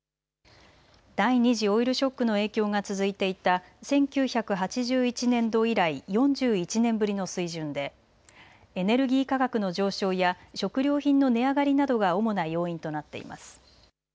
第２次オイルショックの影響が続いていた１９８１年度以来４１年ぶりの水準でエネルギー価格の上昇や食料品の値上がりなどが主な要因となっています。